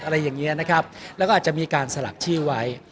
อะไรอย่างนี้นะครับแล้วก็อาจจะมีการสลักชื่อไว้